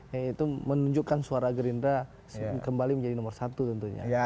yaitu menunjukkan suara gerindra kembali menjadi nomor satu tentunya